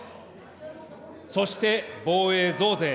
そして、防衛増税。